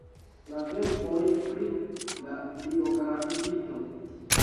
la verkoj pri la biografiito.